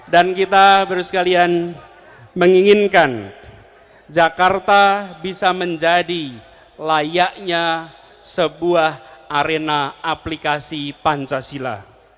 dan kita berus kalian menginginkan jakarta bisa menjadi layaknya sebuah arena aplikasi pancasila